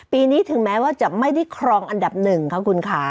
ปีนี้ถึงแม้ว่าจะไม่ได้ครองอันดับหนึ่งค่ะคุณค่ะ